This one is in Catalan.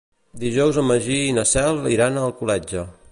Dijous en Magí i na Cel iran a Alcoletge.